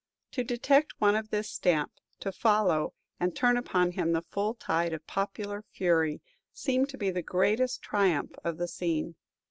To detect one of this stamp, to follow, and turn upon him the full tide of popular fury, seemed to be the greatest triumph of the scene.